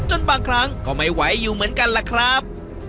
บางครั้งก็ไม่ไหวอยู่เหมือนกันล่ะครับ